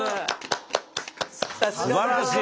すばらしい！